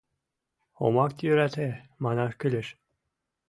Омак йӧрате, манаш кӱлеш.